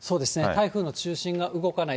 台風の中心が動かない。